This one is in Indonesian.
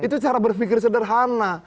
itu cara berpikir sederhana